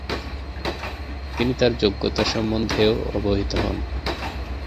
তিনি তার যোগ্যতা সম্বন্ধেও অবহিত হন।